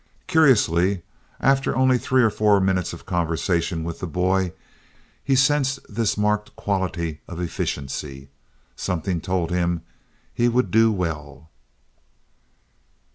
Curiously, after only three or four minutes of conversation with the boy, he sensed this marked quality of efficiency. Something told him he would do well.